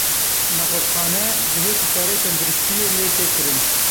Nexweşxane, cihê ku karê tenduristiyê lê tê kirin.